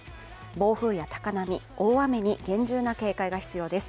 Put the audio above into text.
暴風や高波、大雨に厳重な警戒が必要です。